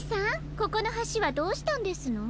ここのはしはどうしたんですの？